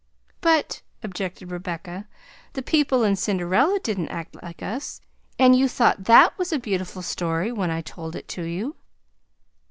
"But," objected Rebecca, "the people in Cinderella didn't act like us, and you thought that was a beautiful story when I told it to you."